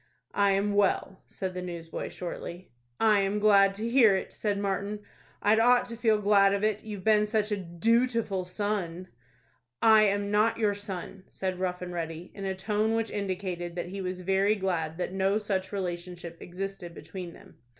"I am well," said the newsboy, shortly. "I am glad to hear it," said Martin; "I'd ought to feel glad of it, you've been such a dootiful son." "I am not your son," said Rough and Ready, in a tone which indicated that he was very glad that no such relationship existed between them.